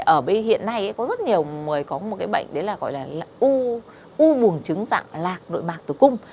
ở hiện nay có rất nhiều người có một cái bệnh đấy là gọi là u buồn trứng dạng lạc nội mạc tử cung